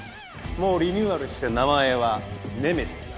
もうリニューアルして名前はネメシスだ。